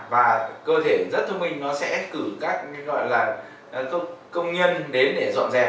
và cơ thể rất thông minh nó sẽ cử các cái gọi là giúp công nhân đến để dọn dẹp